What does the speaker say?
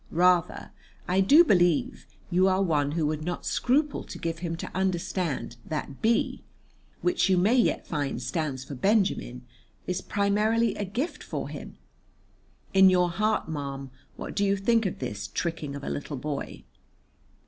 Rather, I do believe, you are one who would not scruple to give him to understand that B (which you may yet find stands for Benjamin) is primarily a gift for him. In your heart, ma'am, what do you think of this tricking of a little boy?